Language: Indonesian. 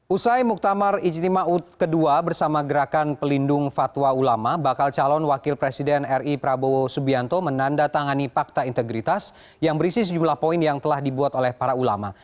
usai muktamar ijtimaud ⁇ ii bersama gerakan pelindung fatwa ulama bakal calon wakil presiden ri prabowo subianto menandatangani fakta integritas yang berisi sejumlah poin yang telah dibuat oleh para ulama